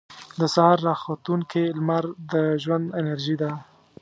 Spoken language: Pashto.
• د سهار راختونکې لمر د ژوند انرژي ده.